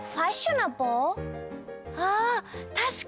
ああたしかに！